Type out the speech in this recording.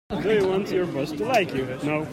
Do you want your boss to like you?